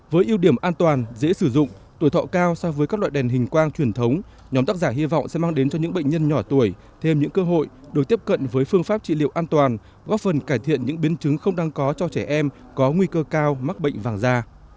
với ưu điểm an toàn dễ sử dụng tuổi thọ cao so với các loại đèn hình quang truyền thống nhóm tác giả hy vọng sẽ mang đến cho những bệnh nhân nhỏ tuổi thêm những cơ hội được tiếp cận với phương pháp trị liệu an toàn góp phần cải thiện những biến chứng không đang có cho trẻ em có nguy cơ cao mắc bệnh vàng da